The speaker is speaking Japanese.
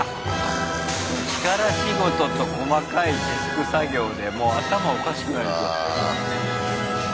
力仕事と細かいデスク作業でもう頭おかしくなりそう。